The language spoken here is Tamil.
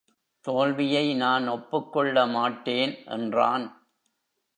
தோல்வியை நான் ஒப்புக்கொள்ள மாட்டேன்! என்றான்.